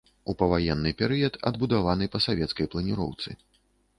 У паваенны перыяд адбудаваны па савецкай планіроўцы.